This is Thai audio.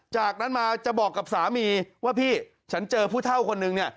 จากนั้นมาจะบอกกับสามีว่าพี่ฉันเจอผู้เท่าคนนึงเนี่ย